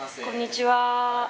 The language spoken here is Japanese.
こんにちは。